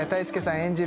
演じる